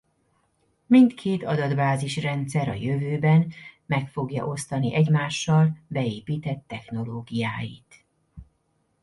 Mindkét adatbázis rendszer a jövőben meg fogja osztani egymással beépített technológiáit.